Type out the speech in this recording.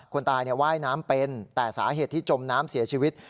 คนตายว่ายน้ำเป็นแต่สาเหตุที่จมน้ำเสียชีวิต